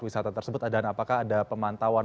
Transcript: wisata tersebut dan apakah ada pemantauan